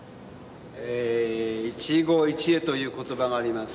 え一期一会という言葉があります。